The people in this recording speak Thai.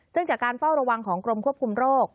ซึ่งจากการเฝ้าระวังของกรมควบคุมโรค